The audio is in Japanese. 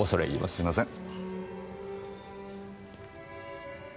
すいません。